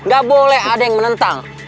gak boleh ada yang menentang